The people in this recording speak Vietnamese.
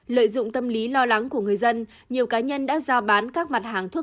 lợi dụng tâm lý lo lắng của người dân nhiều cá nhân đã giao bán các mặt hàng thuốc